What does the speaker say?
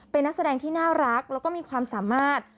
เป็นนักแสดงที่น่ารักแล้วก็มีความสามารถ